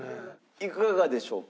いかがでしょうか？